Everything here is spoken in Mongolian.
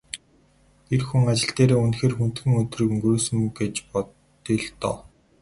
Эр хүн ажил дээрээ үнэхээр хүндхэн өдрийг өнгөрөөсөн гэж бодъё л доо.